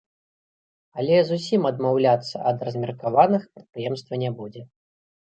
Але зусім адмаўляцца ад размеркаваных прадпрыемства не будзе.